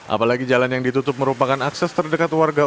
apalagi jalan yang ditutup merupakan akses terdekat warga